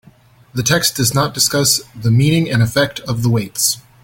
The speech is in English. The text does not discuss the meaning and effect of the weights.